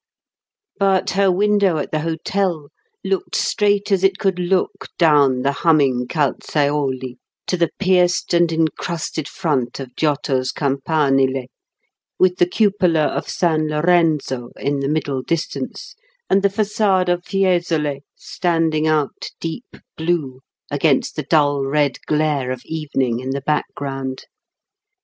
But her window at the hotel looked straight as it could look down the humming Calzaioli to the pierced and encrusted front of Giotto's campanile, with the cupola of San Lorenzo in the middle distance, and the façade of Fiesole standing out deep blue against the dull red glare of evening in the background.